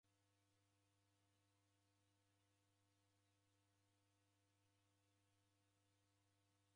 W'andu w'amu w'iko na vichuku kwa serikali w'apendelelwa.